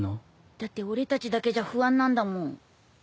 だって俺たちだけじゃ不安なんだもん。